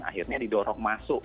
akhirnya didorong masuk